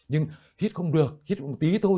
nhưng hít không được hít một tí thôi